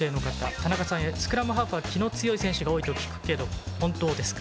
田中さんへ、スクラムハーフは気の強い選手が多いと聞くけど本当ですか。